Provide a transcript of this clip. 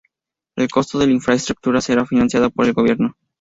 El costo de la infraestructura será financiada por el gobierno.